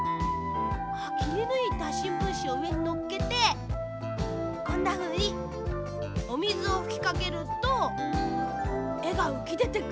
きりぬいたしんぶんしをうえにのっけてこんなふうにおみずをふきかけるとえがうきでてくるの。